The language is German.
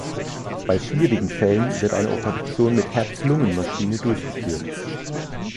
Bei schwierigen Fällen wird eine Operation mit Herz-Lungen-Maschine durchgeführt.